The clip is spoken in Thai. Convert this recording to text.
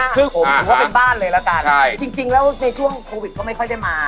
คือผมถือว่าเป็นบ้านเลยละกันจริงแล้วในช่วงโควิดก็ไม่ค่อยได้มา